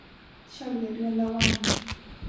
เฉลี่ยเดือนละวัน